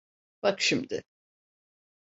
Bak şimdi.